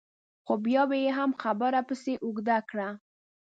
خو بیا به یې هم خبره پسې اوږده کړه.